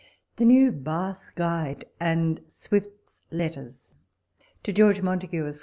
TBE 'yEW BATH GUIDE" AND SWIFTS LETTEBS. To George Montagu, Esq.